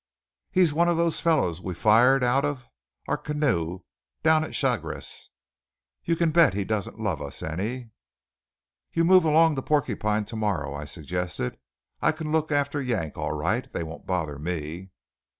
"He's one of those fellows we fired out of our canoe down at Chagres. You can bet he doesn't love us any!" "You move along to Porcupine to morrow," I suggested. "I can look after Yank all right. They won't bother me."